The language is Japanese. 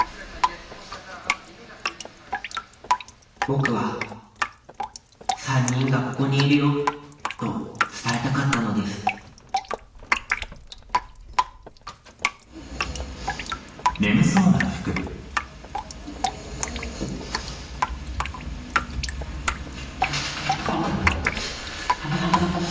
僕は「３人がここにいるよ」と伝えたかったのです散歩散歩散歩。